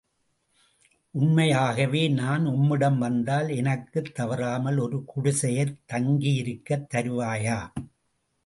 உண்மையாகவே நான் உம்மிடம் வந்தால் எனக்குத் தவறாமல் ஒரு குடிசையைத் தங்கியிருக்கத் தருவாயா?